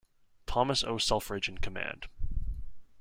Thomas O. Selfridge in command.